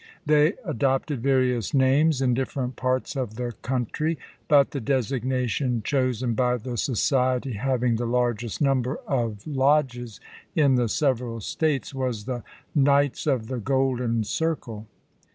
They adopted various names in different parts of the country, but the designation chosen by the society having the largest number of lodges in the several States was the "Knights of the Golden Vol. VIII.— 1 ABEAHAM LINCOLN Circle."